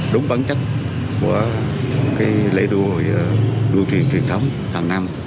đúng bản chất của lễ đua